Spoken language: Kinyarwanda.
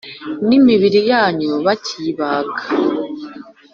imibiri yanyu bakiyibaga